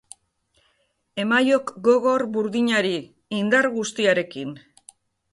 Emaiok gogor burdinari, indar guztiarekin!